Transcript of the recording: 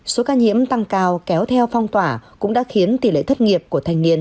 số ca nhiễm tăng cao kéo theo phong tỏa cũng đã khiến tỷ lệ thất nghiệp của thành niên